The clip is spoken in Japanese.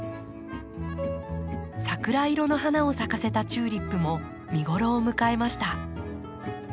桜色の花を咲かせたチューリップも見頃を迎えました。